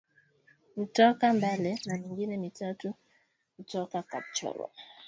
kutoka Mbale na mingine mitatu kutoka Kapchorwa